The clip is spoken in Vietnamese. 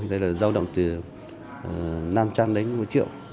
đây là giao động từ năm trang đến một triệu